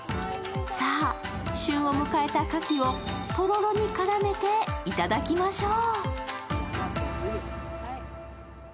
さあ旬を迎えたかきをとろろに絡めていただきましょう。